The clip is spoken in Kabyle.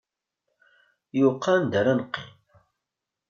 Yuqa wanda ara neqqim!